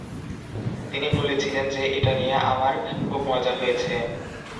তিনি বলেছিলেন যে, এটা নিয়ে আমার খুব মজা হয়েছে।